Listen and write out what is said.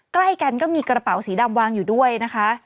ใกล้กันก็มีกระเป๋าสีดำวางอยู่ด้วยนะคะ